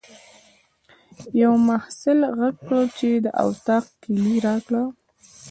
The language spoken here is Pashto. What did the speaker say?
یوه محصل غږ کړ چې د اطاق کیلۍ راکړه.